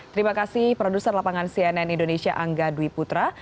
terima kasih produser lapangan cnn indonesia angga dwi putra